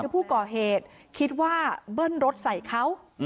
คือผู้ก่อเหตุคิดว่าเบิ้ลรถใส่เขา